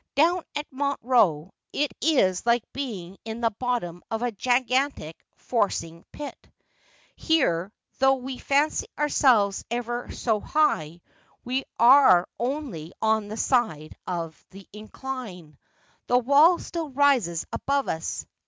Down at Montreux it is like being at the bottom of a gigantic forcing pit ; here, though we fancy ourselves ever so high, we are only on the side of the incline. The wall still rises above us.